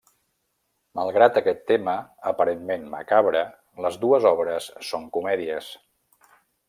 Malgrat aquest tema aparentment macabre, les dues obres són comèdies.